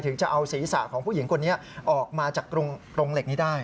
ถึงจะเอาศีรษะของผู้หญิงคนนี้ออกมาจากโรงเหล็กนี้ได้